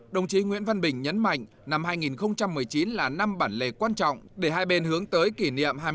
đồng chí nguyễn văn bình nhấn mạnh năm hai nghìn một mươi chín là năm bản lề quan trọng để hai bên hướng tới kỷ niệm